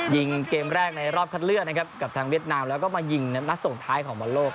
ยิงเกมแรกในรอบคัดเลือกนะครับกับทางเวียดนามแล้วก็มายิงนัดส่งท้ายของบอลโลก